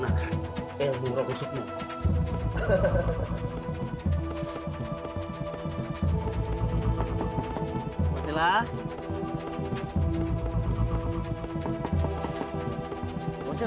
aku sudah berhenti